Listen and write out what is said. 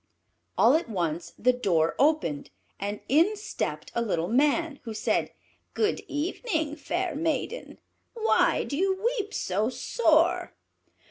All at once the door opened, and in stepped a little Man, who said, "Good evening, fair maiden; why do you weep so sore?"